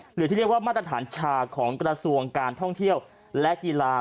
หรือที่เรียกว่ามาตรฐานชาของกระทรวงการท่องเที่ยวและกีฬา